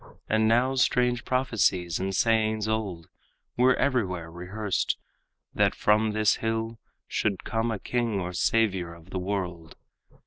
And now strange prophecies and sayings old Were everywhere rehearsed, that from this hill Should come a king or savior of the world.